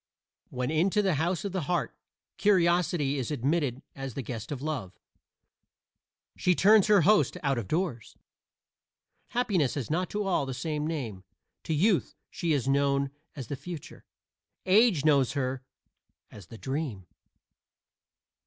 When into the house of the heart Curiosity is admitted as the guest of Love she turns her host out of doors. Happiness has not to all the same name: to Youth she is known as the Future; Age knows her as the Dream.